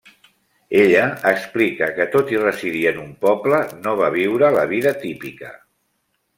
Ella explica que tot i residir en un poble, no va viure la vida típica.